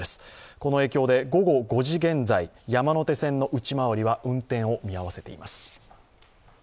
この影響で午後５時現在、山手線の内回りは運転を見合わせています。